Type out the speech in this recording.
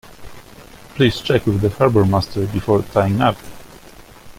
Please check with the harbourmaster before tying up